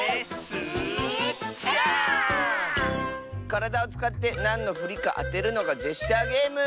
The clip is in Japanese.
からだをつかってなんのふりかあてるのがジェスチャーゲーム！